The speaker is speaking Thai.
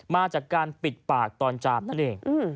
มาจากการปิดปากตอนจาบนั่นเอง